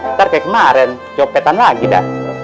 ntar kayak kemarin copetan lagi dah